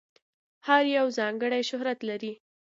هر یو ځانګړی شهرت لري.